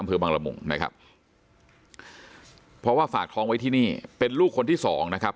อำเภอบังละมุงนะครับเพราะว่าฝากท้องไว้ที่นี่เป็นลูกคนที่สองนะครับ